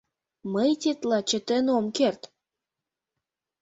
Мый тетла чытен ом керт!